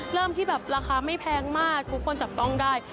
เริ่มที่แบบราคาไม่แพงมากทุกคนจับต้องได้